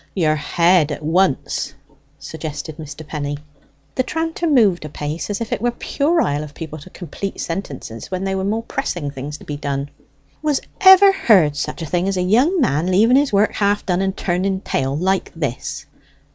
"Your head at once," suggested Mr. Penny. The tranter moved a pace, as if it were puerile of people to complete sentences when there were more pressing things to be done. "Was ever heard such a thing as a young man leaving his work half done and turning tail like this!"